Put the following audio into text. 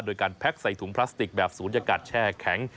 โดยการแพ็กใส่ถุงพลาสติกแบบศูนยากาศแช่แข็ง